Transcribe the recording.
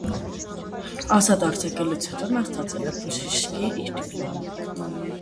Ազատ արձակվելուց հետո նա ստացել է բժշկի իր դիպլոմը։